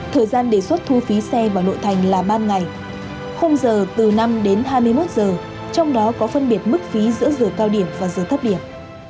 thời gian đề xuất thu phí xe vào nội thành là ban ngày không giờ từ năm đến hai mươi một giờ trong đó có phân biệt mức phí giữa giờ cao điểm và giờ thấp điểm